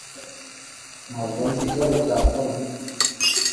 Ntabwo nzi ikibazo cya Toma.